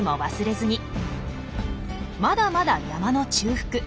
まだまだ山の中腹。